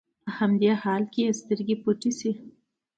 په همدې حال کې يې سترګې پټې شي.